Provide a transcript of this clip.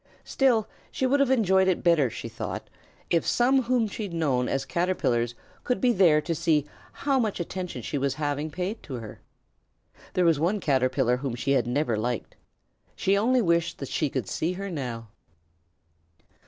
Still, she would have enjoyed it better, she thought, if some whom she had known as Caterpillars could be there to see how much attention she was having paid to her. There was one Caterpillar whom she had never liked. She only wished that she could see her now.